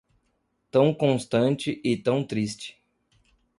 tão constante e tão triste